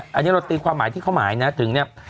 อันนี้เราตีความหมายที่เขาหมายนะถึงเนี่ย